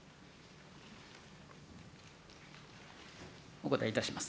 お答えいたします。